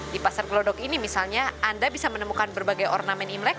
di pasar gelodok ini misalnya anda bisa menemukan berbagai ornamen imlek